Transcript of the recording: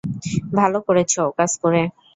ভালো করেছ ওকাজ করে।